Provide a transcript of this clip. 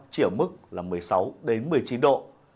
chỉ ở mức là một mươi sáu một mươi chín độ